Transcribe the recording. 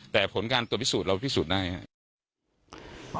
แต่ผลการตรวจพิสูจนเราพิสูจน์ได้ครับ